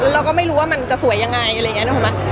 เราก็ไม่รู้ว่ามันจะสวยยังไงอะไรอย่างนี้นึกออกไหม